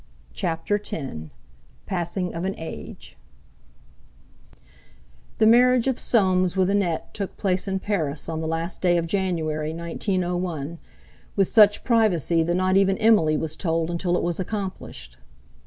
CHAPTER X PASSING OF AN AGE The marriage of Soames with Annette took place in Paris on the last day of January, 1901, with such privacy that not even Emily was told until it was accomplished.